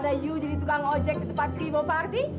daripada yu jadi tukang ojek ke tempat keribu party